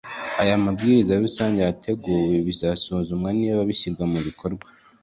Aya mabwiriza rusange yateguwe bizasuzumwa niba bishyirwa mu bikorwa